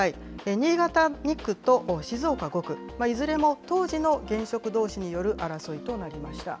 新潟２区と静岡５区、いずれも当時の現職どうしによる争いとなりました。